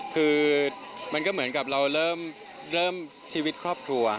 คือมันก็เหมือนกับเราเริ่มชีวิตครอบครัว